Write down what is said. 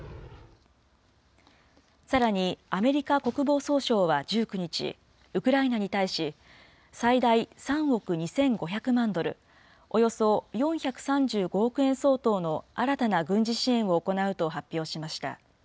さらに、アメリカ国防総省は１９日、ウクライナに対し、最大３億２５００万ドル、およそ４３５億円相当の新たな軍事支援を行うと発表しました。